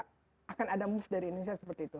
akan ada move dari indonesia seperti itu